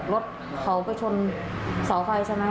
รถเขาไปชนเสาไฟใช่ไหม